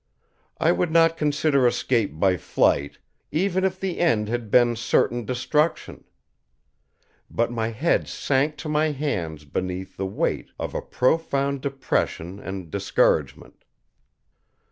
I would not consider escape by flight, even if the end had been certain destruction. But my head sank to my hands beneath the weight of a profound depression and discouragement.